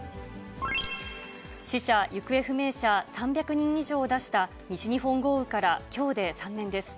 死者・行方不明者３００人以上を出した西日本豪雨からきょうで３年です。